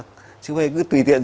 chứ không phải cứ tùy tiện